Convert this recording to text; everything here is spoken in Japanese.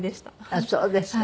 あっそうですか。